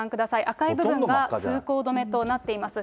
赤い部分が通行止めとなっています。